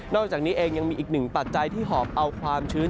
อกจากนี้เองยังมีอีกหนึ่งปัจจัยที่หอบเอาความชื้น